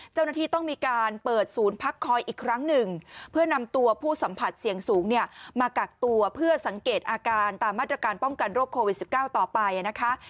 เจ้าหน้าที่ต้องมีการเปิดศูนย์พักคอยอีกครั้งหนึ่งเพื่อนำตัวผู้สัมผัสเสี่ยงสูงเนี่ยมากักตัวเพื่อสังเกตอาการตามมาตรการป้องกันโรคโควิด๑๙ต่อไปนะคะ